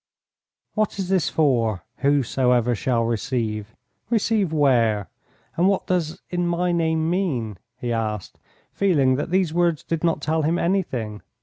"What is this for, 'Whosoever shall receive?' Receive where? And what does 'in my name' mean?" he asked, feeling that these words did not tell him anything.